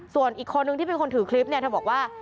ส่วนอีกคนนึงที่เป็นคนถือคลิปเนี่ยเธอบอกว่า